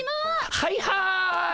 はいはい。